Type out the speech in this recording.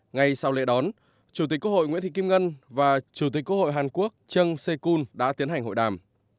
ngay sau lễ đón chủ tịch quốc hội nguyễn thị kim ngân và chủ tịch quốc hội hàn quốc jang si aek yoon đã tiến hành hội đàm